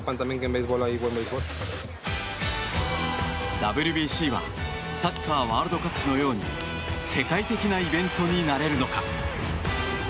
ＷＢＣがサッカーワールドカップのように世界的なイベントになれるのか。